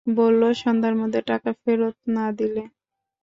বললো, সন্ধ্যার মধ্যে টাকা ফেরত না দিলে।